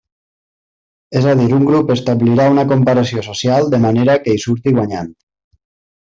És a dir, un grup establirà una comparació social de manera que hi surti guanyant.